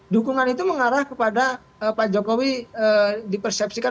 dukungan itu mengarah kepada pak jokowi dipersepsikan